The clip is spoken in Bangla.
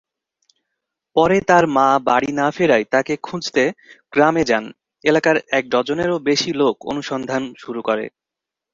পরে তার মা বাড়ি না ফেরায় তাকে খুঁজতে গ্রামে যান; এলাকার এক ডজনেরও বেশি লোক অনুসন্ধান শুরু করে।